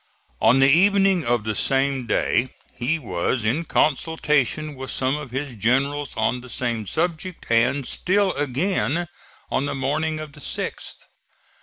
On the evening of the same day he was in consultation with some of his generals on the same subject, and still again on the morning of the 6th.